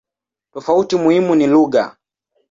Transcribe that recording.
Tofauti muhimu ni lugha.